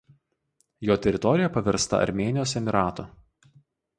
Jo teritorija paversta Armėnijos emyratu.